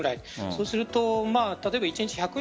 そうすると例えば一日１００人